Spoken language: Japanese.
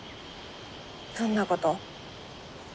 どんなこと？